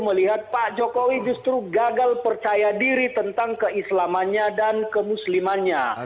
melihat pak jokowi justru gagal percaya diri tentang keislamannya dan kemuslimannya